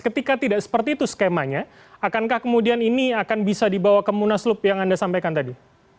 ketika tidak seperti itu skemanya akankah kemudian ini akan bisa dibawa ke munaslup yang anda sampaikan tadi